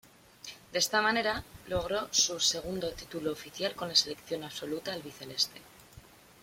De esta manera, logró su segundo título oficial con la Selección absoluta albiceleste.